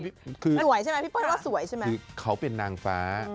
พี่เปิ้ลว่าสวยใช่ไหมคือคือเขาเป็นนางฟ้า